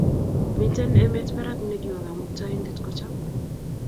Mmiten emet barak nekiwo kamuktaindet kochab